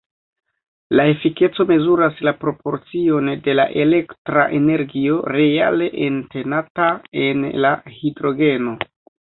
La efikeco mezuras la proporcion de la elektra energio reale entenata en la hidrogeno.